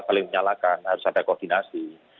saling menyalakan harus ada koordinasi